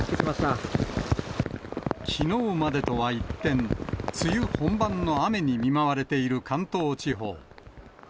きのうまでとは一転、梅雨本番の雨に見舞われている関東地方。